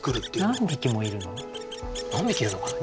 何匹いるのかな？